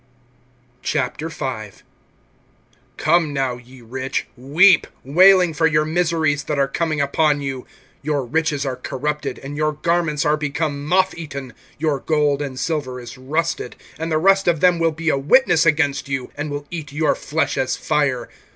V. COME now, ye rich, weep, wailing for your miseries that are coming upon you. (2)Your riches are corrupted, and your garments are become moth eaten. (3)Your gold and silver is rusted; and the rust of them will be a witness against you, and will eat your flesh as fire.